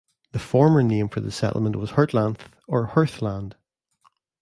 The former name for the settlement was "Hurtlanth" or "Hurthland".